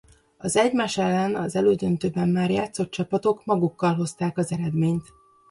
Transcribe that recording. Az egymás ellen az elődöntőben már játszott csapatok magukkal hozták az eredményt.